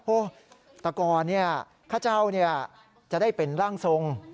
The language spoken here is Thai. โอ้ตะกรเนี่ยข้าเจ้าเนี่ยจะได้เป็นร่างทรง